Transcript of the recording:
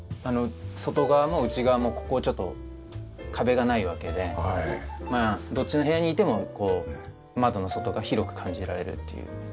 あの外側も内側もここちょっと壁がないわけでまあどっちの部屋にいても窓の外が広く感じられるっていう。